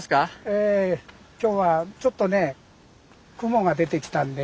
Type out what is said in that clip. ええ今日はちょっとね雲が出てきたんで。